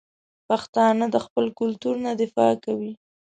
پښتانه د خپل کلتور نه دفاع کوي.